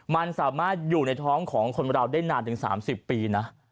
มันสามารถอยู่ในท้องของคนเราได้นานถึง๓๐ปีนะ